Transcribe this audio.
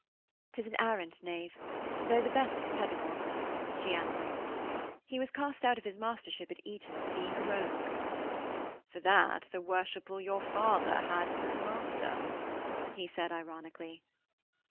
''Tis an arrant knave tho' the best of pedagogues,' she answered. 'He was cast out of his mastership at Eton for being a rogue.' 'For that, the worshipful your father had him to master,' he said ironically.